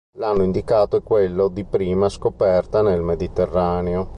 L'anno indicato è quello di prima scoperta nel Mediterraneo.